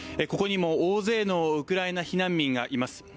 ここにも大勢のウクライナ避難民がいます。